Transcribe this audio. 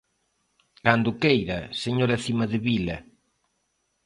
Cando queira, señora Cimadevila.